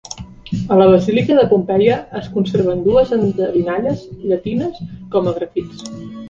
A la basílica de Pompeia es conserven dues endevinalles llatines com a grafits.